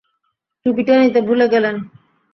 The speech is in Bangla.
টুপিটা নিতে ভুলে গেলেন।